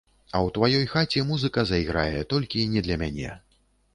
А ў тваёй хаце музыка зайграе, толькі не для мяне.